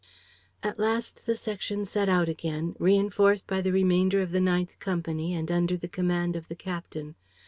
..." At last the section set out again, reinforced by the remainder of the ninth company and under the command of the captain.